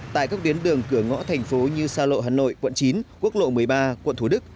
tại các tuyến đường cửa ngõ thành phố như sa lộ hà nội quận chín quốc lộ một mươi ba quận thủ đức